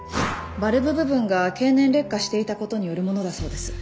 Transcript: バルブ部分が経年劣化していた事によるものだそうです。